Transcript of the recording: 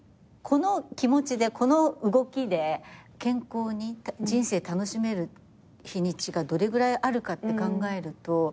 この気持ちでこの動きで健康に人生楽しめる日にちがどれぐらいあるかって考えると。